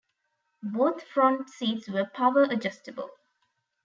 Both front seats were power adjustable.